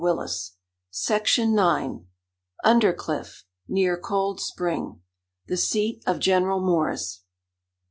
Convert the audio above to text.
UNDERCLIFF, NEAR COLD SPRING, THE SEAT OF GENERAL MORRIS.